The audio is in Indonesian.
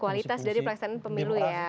kualitas dari pelaksanaan pemilu ya